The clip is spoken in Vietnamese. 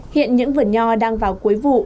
hiện những vườn nho đang vào cuối vụ